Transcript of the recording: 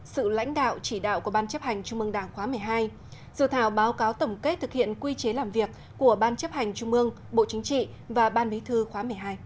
sự lãnh đạo chỉ đạo của ban chấp hành trung mương đảng khóa một mươi hai dự thảo báo cáo tổng kết thực hiện quy chế làm việc của ban chấp hành trung mương bộ chính trị và ban bí thư khóa một mươi hai